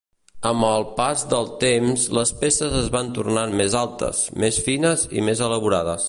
Amb el pas del temps, les peces es van tornar més altes, més fines i més elaborades.